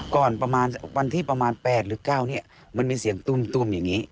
ประมาณวันที่ประมาณ๘หรือ๙เนี่ยมันมีเสียงตุ้มอย่างนี้